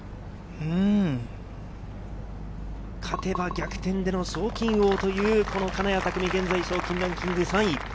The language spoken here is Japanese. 勝てば逆転での賞金王という金谷拓実、現在、賞金ランキング３位。